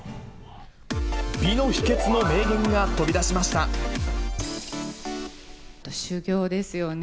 美の秘けつの名言が飛び出し修行ですよね。